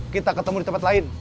kita ketemu di tempat lain